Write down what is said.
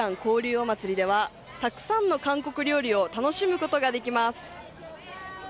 おまつりではたくさんの韓国料理を楽しむことができます。